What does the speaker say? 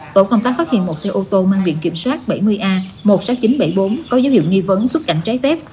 tổ công tác phát hiện một xe ô tô mang biện kiểm soát bảy mươi a một mươi sáu nghìn chín trăm bảy mươi bốn có dấu hiệu nghi vấn xuất cảnh trái phép